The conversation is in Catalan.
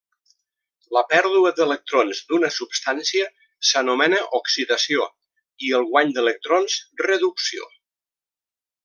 La pèrdua d'electrons d'una substància s'anomena oxidació, i el guany d'electrons reducció.